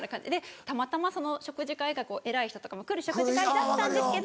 たまたまその食事会が偉い人とかも来る食事会だったんですけど。